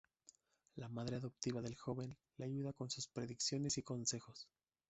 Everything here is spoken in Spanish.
La madre adoptiva del joven le ayuda con sus predicciones y consejos.